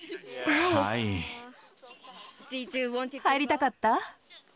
入りたかった？